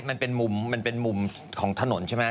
มันเป็นมุมของถนนใช่ไหม